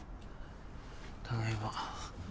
ただいま。